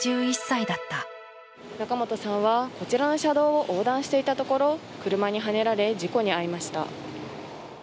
仲本さんはこちらの車道を横断していたところ、車にはねられ、事故に遭いました。